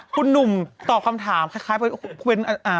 คุณหนุ่มตอบคำถามคล้ายเพราะว่า